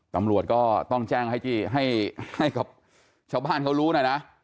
ตำรวจก็ต้องแจ้งให้ชาวบ้านเขารู้หน่อยนะ